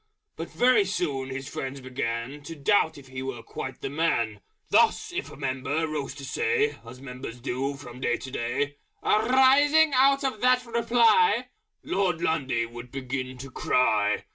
But very soon his friends began To doubt if he were quite the man: Thus, if a member rose to say (As members do from day to day), "Arising out of that reply ...!" Lord Lundy would begin to cry.